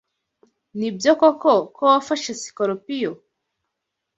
Nibyo koko ko wafashe sikorupiyo?